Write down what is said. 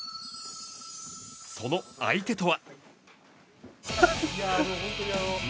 その相手とは。